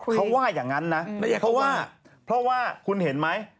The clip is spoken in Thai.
เขาว่ายังงั้นนะเพราะว่าครุนเห็นไหม